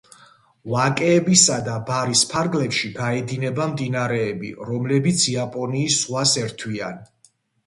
ვაკეებისა და ბარის ფარგლებში გაედინება მდინარეები, რომლებიც იაპონიის ზღვას ერთვიან.